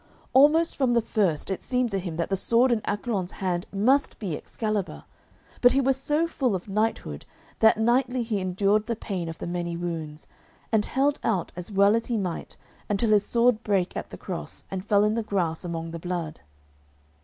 Almost from the first it seemed to him that the sword in Accolon's hand must be Excalibur, but he was so full of knighthood that knightly he endured the pain of the many wounds, and held out as well as he might until his sword brake at the cross and fell in the grass among the blood.